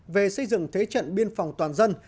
về xây dựng thế trận biên phòng toàn dân